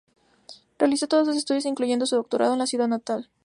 Realizó todos sus estudios, incluyendo su doctorado, en su ciudad natal.